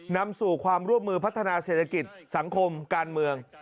นำสู่ความร่วมมือพัฒนาเศรษฐกิจสังคมการเมือง